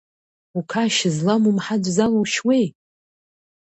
Уқашь злам умҳаҵә залушьуеи?